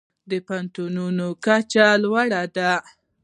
د پوهنتونونو کچه یې لوړه ده.